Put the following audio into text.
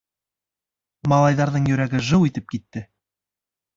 Малайҙарҙың йөрәге жыу итеп китте.